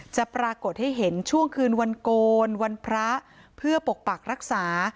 จะปรากฏให้เห็นช่วงคืนวันโกนวันพระเพื่อปกปักรักษา